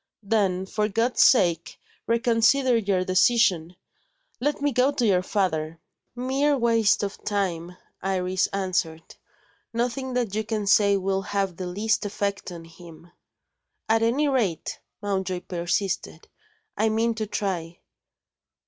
"Then, for God's sake, reconsider your decision! Let me go to your father." "Mere waste of time," Iris answered. "Nothing that you can say will have the least effect on him." "At any rate," Mountjoy persisted, "I mean to try."